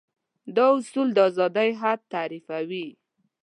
دا اصول د ازادي حد تعريفوي.